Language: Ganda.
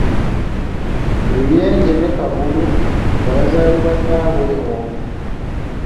Luyenje ne Kagulu nga bazaalibwa nnyaabwe omu.